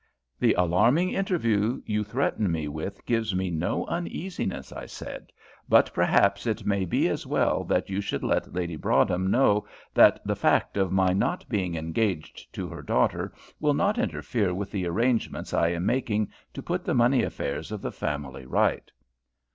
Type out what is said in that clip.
"The alarming interview you threaten me with gives me no uneasiness," I said, "but perhaps it may be as well that you should let Lady Broadhem know that the fact of my not being engaged to her daughter will not interfere with the arrangements I am making to put the money matters of the family right."